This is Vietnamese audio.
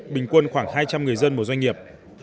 bình quân khoảng hai trăm linh người dân một doanh nghiệp